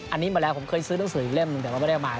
อันนี้มาแล้วผมเคยซื้อหนังสืออีกเล่มหนึ่งแต่ว่าไม่ได้เอามา